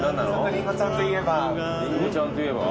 りんごちゃんといえば？